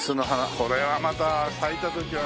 これはまた咲いた時は。